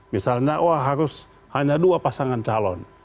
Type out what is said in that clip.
misalnya wah harus hanya dua pasangan calon